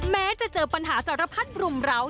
แม้จะเจอปัญหาสารพัดรุมร้าว